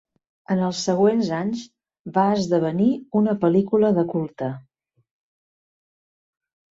En els següents anys va esdevenir una pel·lícula de culte.